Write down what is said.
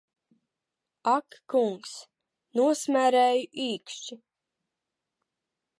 Ak kungs, nosmērēju īkšķi!